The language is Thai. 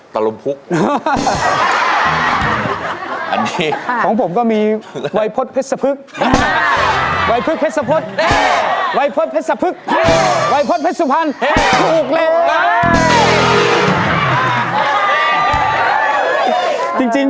ตรงของกวงของต้องมีอีกตัวหนึ่ง